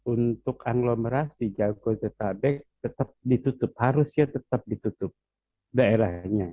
untuk aglomerasi jabodetabek tetap ditutup harusnya tetap ditutup daerahnya